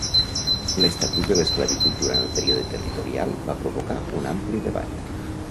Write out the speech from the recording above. L'estatut de l'esclavitud durant el període territorial va provocar un ampli debat.